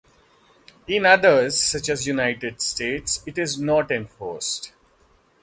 In others, such as the United States, it is not enforced.